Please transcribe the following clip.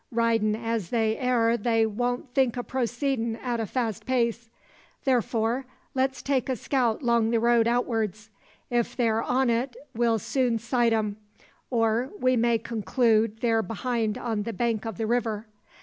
Ridin' as they air they won't think o' proceedin' at a fast pace. Therefore, let's take a scout 'long the road outwards. Ef they're on it, we'll soon sight 'em, or we may konklude they're behind on the bank o' the river.